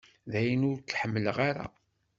Dayen ur k-ḥemmleɣ ara.